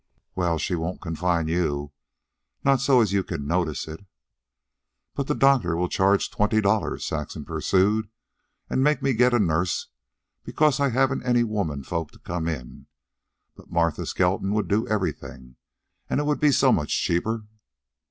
"Well, she won't confine you not so as you can notice it." "But the doctor will charge twenty dollars," Saxon pursued, "and make me get a nurse because I haven't any womenfolk to come in. But Martha Skelton would do everything, and it would be so much cheaper."